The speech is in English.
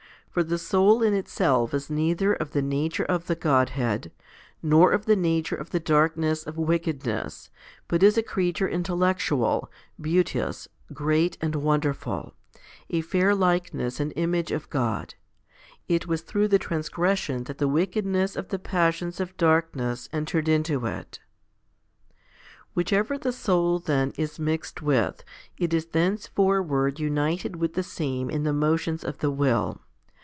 For the soul in itself is neither of the nature of the Godhead, nor of the nature of the darkness of wickedness, but is a creature intellectual, beauteous, great, and wonderful, a fair likeness and image of God. It was through the transgression that the wickedness of the passions of darkness entered into it. 8. Whichever the soul, then, is mixed with, it is thence forward united with the same in the motions of the will.